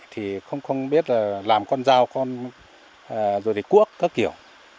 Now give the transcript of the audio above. thì không biết làm con dao con cuốc các kiểu